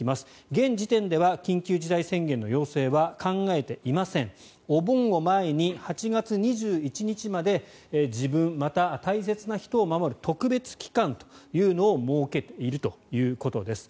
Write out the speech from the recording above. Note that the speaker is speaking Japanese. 現時点では緊急事態宣言の要請は考えていませんお盆を前に８月２１日までに自分または大切な人を守る特別期間というのを設けているということです。